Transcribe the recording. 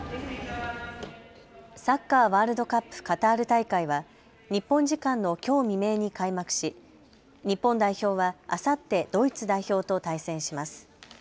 サッカーワールドカップカタール大会は日本時間のきょう未明に開幕し日本代表はあさってドイツ代表と対戦します。